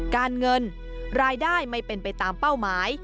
การเงินรายได้ไม่เป็นไปตามเป้าหมาย